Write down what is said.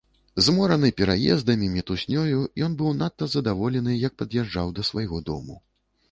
Змораны пераездамі, мітуснёю, ён быў надта здаволены, як пад'язджаў да свайго дому.